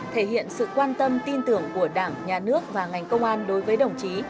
thể hiện sự quan tâm tin tưởng của đảng nhà nước và ngành công an đối với đồng chí